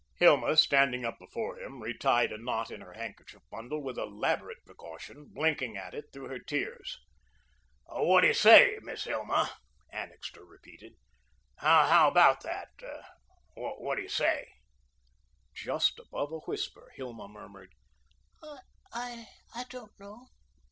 Hilma, standing up before him, retied a knot in her handkerchief bundle with elaborate precaution, blinking at it through her tears. "What do you say, Miss Hilma?" Annixter repeated. "How about that? What do you say?" Just above a whisper, Hilma murmured: "I I don't know."